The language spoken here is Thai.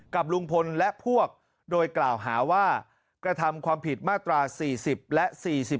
กับลุงพลและพวกโดยกล่าวหาว่ากระทำความผิดมาตรา๔๐และ๔๔